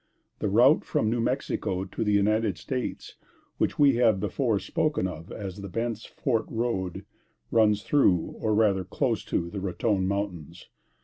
The route from New Mexico to the United States, which we have before spoken of as the Bent's Fort road, runs through, or rather, close to, the Raton Mountains.